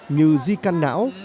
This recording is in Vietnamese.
như di căn não